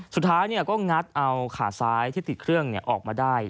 สุดท้ายก็งัดเอาขาซ้ายที่ติดเครื่องออกมาได้